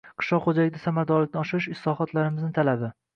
Qishloq xo'jaligida samaradorlikni oshirish-islohotlarimizni talabi.